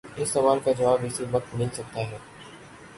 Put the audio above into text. اس سوال کا جواب اسی وقت مل سکتا ہے۔